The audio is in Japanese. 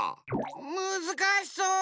むずかしそう。